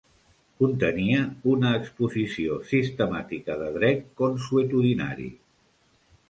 Contenia una exposició sistemàtica de dret consuetudinari.